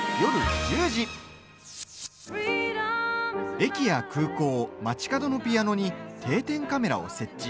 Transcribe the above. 駅や空港、街角のピアノに定点カメラを設置。